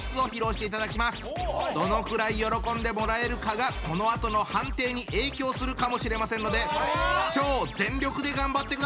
どのくらい喜んでもらえるかがこのあとの判定に影響するかもしれませんので超全力で頑張ってください！